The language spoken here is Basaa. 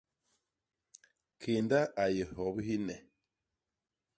Kénda a yé hyobi hi nne.